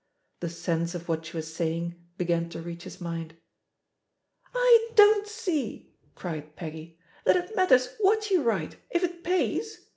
The sense of what she was saying began to reach his mind. "I don't see," cried Peggy, "that it matters i[x>hat you write, if it pays.